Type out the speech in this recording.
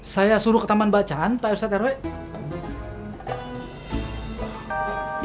saya suruh ke taman bacaan pak ustadz rw